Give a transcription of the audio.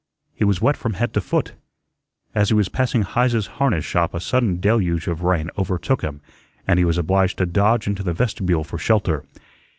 He was wet from head to foot. As he was passing Heise's harness shop a sudden deluge of rain overtook him and he was obliged to dodge into the vestibule for shelter.